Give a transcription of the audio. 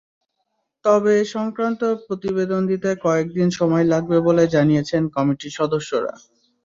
তবে এ-সংক্রান্ত প্রতিবেদন দিতে কয়েক দিন সময় লাগবে বলে জানিয়েছেন কমিটির সদস্যরা।